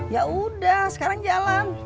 ya udah sekarang jalan